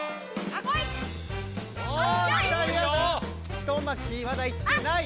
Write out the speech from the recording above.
１巻きまだいってない。